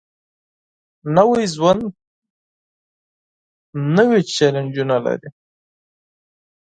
نوی ژوند نوې چیلنجونه لري